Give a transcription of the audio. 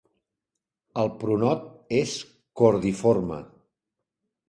El pronot és cordiforme.